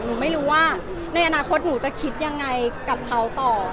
หนูไม่รู้ว่าในอนาคตหนูจะคิดยังไงกับเขาต่อ